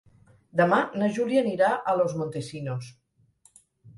Demà na Júlia anirà a Los Montesinos.